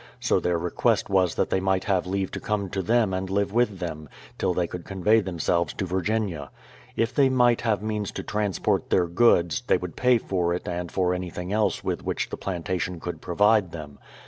So their request was that they might have leave to come to them and live with them, till they could convey them selves to Virginia. If they might have means to transport THE PLYMOUTH SETTLEISIENT 181 their goods, they would pay for it and for anything else with which the plantation could provide them.